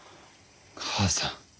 母さん。